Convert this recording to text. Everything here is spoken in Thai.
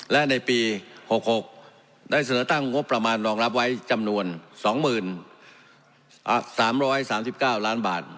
และในปี๖๖ได้เสนอตั้งงบประมาณรองรับไว้จำนวน๒๓๓๙ล้านบาท